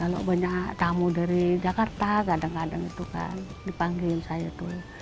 kalau banyak tamu dari jakarta kadang kadang itu kan dipanggil saya tuh